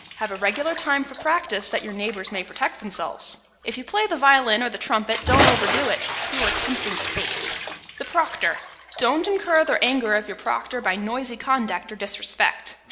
Have a regular time for practice; then your neighbors may protect themselves. If you play the violin or the trumpet, don't overdo it; you are tempting Fate. [Sidenote: THE PROCTOR] Don't incur the anger of your Proctor by noisy conduct or disrespect.